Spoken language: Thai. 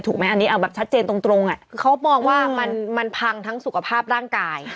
ตรงแคือเบาพร้อมว่ามันมันพังถึงทั้งสุขภาพด้านกาย